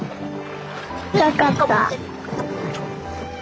深かった。